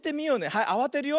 はいあわてるよ。